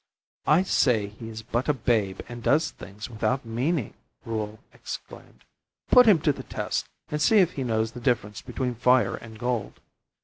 "I say he is but a babe and does things without meaning," Reuel exclaimed. "Put him to the test, and see if he knows the difference between fire and gold.